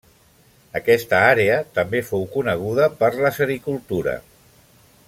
Aquesta àrea també fou coneguda per la sericultura.